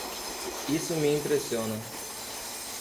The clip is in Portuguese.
Isso me impressiona!